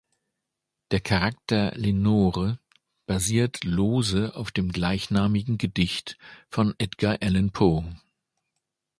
Der Charakter "Lenore" basiert lose auf dem gleichnamigen Gedicht von Edgar Allan Poe.